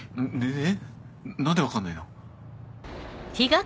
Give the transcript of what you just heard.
え何で分かんないの？